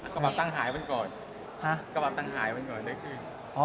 กระเป๋าตังหายวันก่อนได้ขึ้น